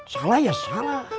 salah ya salah